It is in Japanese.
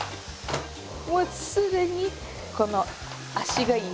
もう常にこの足が移動。